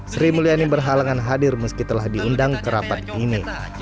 sri mulyani berhalangan hadir meski telah diundang ke rapat ini